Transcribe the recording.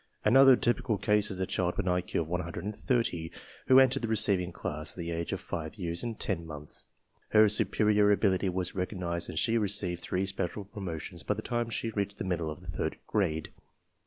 Another typical case is a child with an IQ of 130 who entered the receiving class at the age of 5 years and 10 months. Her superior ability was recognized and she received three special promotions by the time she reached the middle of the third grade.